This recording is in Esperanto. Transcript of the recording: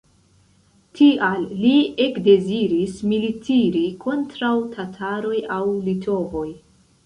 Tial li ekdeziris militiri kontraŭ tataroj aŭ litovoj!